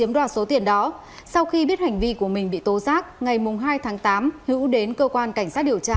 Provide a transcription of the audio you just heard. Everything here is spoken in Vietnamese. đoạt số tiền đó sau khi biết hành vi của mình bị tố giác ngày hai tháng tám hữu đến cơ quan cảnh sát điều tra